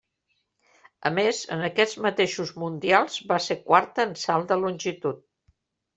A més en aquests mateixos mundials va ser quarta en salt de longitud.